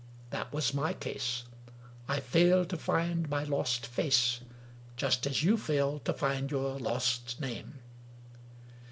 That was my case. I failed to find my lost face, just as you failed to find your lost name.